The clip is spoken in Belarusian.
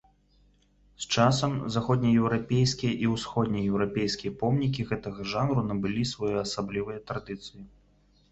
З часам, заходнееўрапейскія і ўсходнееўрапейскія помнікі гэтага жанру набылі своеасаблівыя традыцыі.